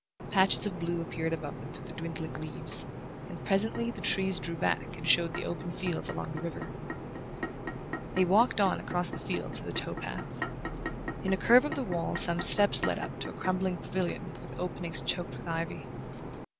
Patches of blue appeared above them through the dwindling leaves, and presently the trees drew back and showed the open fields along the river. They walked on across the fields to the tow path. In a curve of the wall some steps led up to a crumbling pavilion with openings choked with ivy.